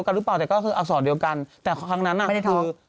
ฉันไม่เชื่ออันนี้ไม่จริงแล้ว